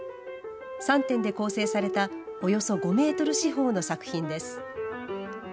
３点で構成されたおよそ５メートル四方の作品です。